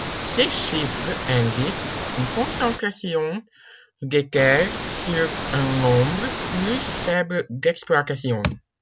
Ces chiffres indiquent une concentration des terres sur un nombre plus faible d’exploitations.